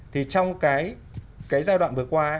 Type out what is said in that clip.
thì trong cái giai đoạn vừa qua